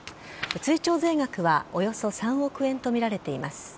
追徴税額はおよそ３億円と見られています。